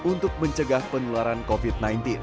untuk mencegah penularan covid sembilan belas